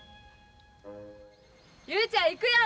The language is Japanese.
雄ちゃんいくよ！